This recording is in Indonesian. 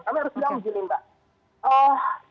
kami harus bilang begini mbak